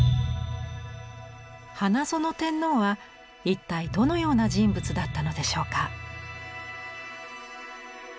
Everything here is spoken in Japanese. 花園天皇は一体どのような人物だったのでしょうか。